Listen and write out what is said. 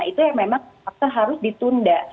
itu yang memang harus ditunda